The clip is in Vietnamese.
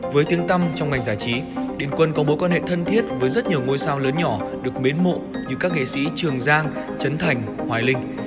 với tiếng tâm trong ngành giải trí đền quân có mối quan hệ thân thiết với rất nhiều ngôi sao lớn nhỏ được mến mộ như các nghệ sĩ trường giang chấn thành hoài linh